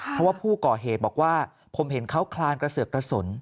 เพราะว่าผู้ก่อเหตุบอกว่าผมเห็นเขาคลานกระเสือกกระสุน